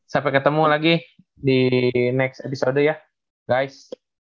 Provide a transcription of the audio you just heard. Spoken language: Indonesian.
sampai ketemu lagi di next episode ya guys